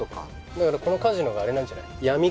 だからこのカジノがあれなんじゃない？